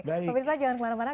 pemirsa jangan kemana mana